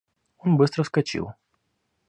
Он быстро вскочил.